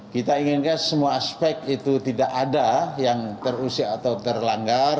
kita inginkan semua aspek itu tidak ada yang terusik atau terlanggar